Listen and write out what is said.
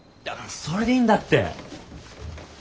だからそれでいいんだって。